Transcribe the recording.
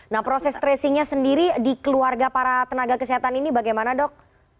nah proses tracingnya sendiri di keluarga para tenaga kesehatan ini bagaimana dok